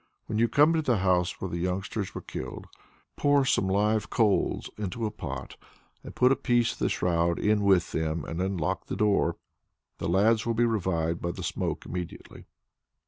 When you come into the house where the youngsters were killed, pour some live coals into a pot and put the piece of the shroud in with them, and then lock the door. The lads will be revived by the smoke immediately."